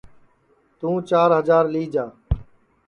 توں چِار ہجار لی جا